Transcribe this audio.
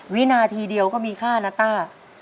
วินาทีเดียวก็มีค่านะต้า